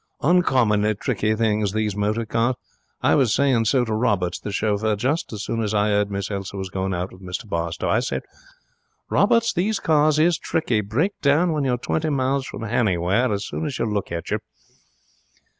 'Uncommonly tricky things, these motor cars. I was saying so to Roberts, the chauffeur, just as soon as I 'eard Miss Elsa was going out with Mr Barstowe. I said, "Roberts, these cars is tricky; break down when you're twenty miles from hanywhere as soon as look at you.